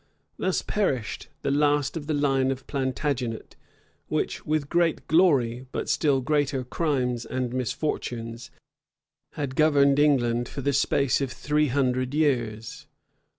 Thus perished the last of the line of Plantagenet, which, with great glory, but still greater crimes and misfortunes, had governed England for the space of three hundred years.